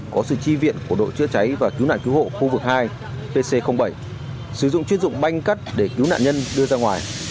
có sự chi viện của đội chữa cháy và cứu nạn cứu hộ khu vực hai pc bảy sử dụng chuyên dụng banh cắt để cứu nạn nhân đưa ra ngoài